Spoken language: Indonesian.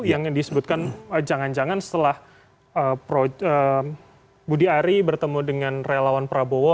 yang disebutkan jangan jangan setelah budi ari bertemu dengan relawan prabowo